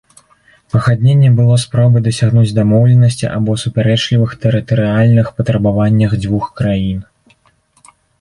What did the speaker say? Пагадненне было спробай дасягнуць дамоўленасці аб супярэчлівых тэрытарыяльных патрабаваннях дзвюх краін.